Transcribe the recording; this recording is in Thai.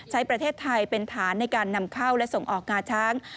ประเทศไทยเป็นฐานในการนำเข้าและส่งออกงาช้าง